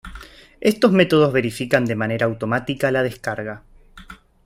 Estos métodos verifican de manera automática la descarga